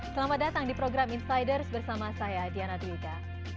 selamat datang di program insiders bersama saya diana dwika